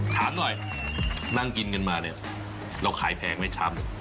ถามหน่อยนั่งกินเงินมานี่เราขายแพงไม่ช้ำ